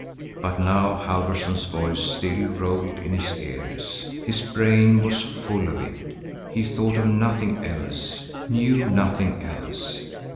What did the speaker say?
But now Halfvorson's voice still rolled in his ears. His brain was full of it. He thought of nothing else, knew nothing else.